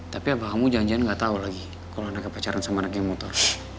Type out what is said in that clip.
tapi abah kamu jangan jangan gak tau lagi kalo anaknya pacaran sama anaknya motor